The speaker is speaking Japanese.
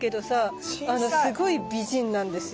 すごい美人なんですよ。